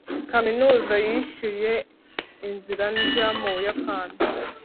kaminuza yishyuye inzira njya mu buyapani